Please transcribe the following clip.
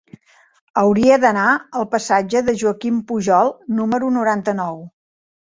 Hauria d'anar al passatge de Joaquim Pujol número noranta-nou.